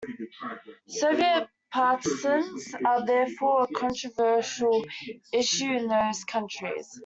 Soviet partisans are therefore a controversial issue in those countries.